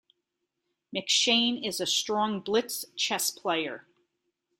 McShane is a strong blitz chess player.